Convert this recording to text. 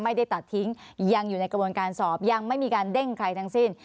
ไม่ได้ตัดทิ้งยังอยู่ในกระบวนการสอบยังไม่มีการเด้งใครทั้งสิ้น